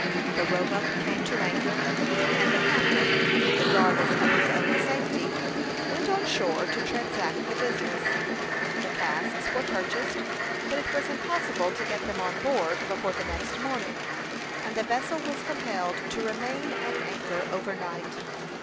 The Roebuck came to anchor, and the captain, regardless of his own safety, went on shore to transact the business. The casks were purchased, but it was impossible to get them on board before the next morning, and the vessel was compelled to remain at anchor over night.